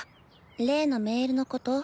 例のメールのこと？